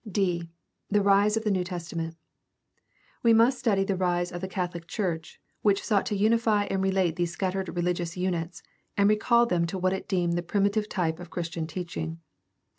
d) The rise of the New Testament. — ^We must study the rise of the Catholic church, which sought to unify and relate these scattered religious units and recall them to what it deemed the primitive type of Christian teaching.